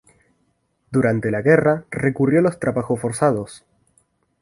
Durante la guerra recurrió a los trabajos forzados.